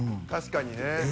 確かにね。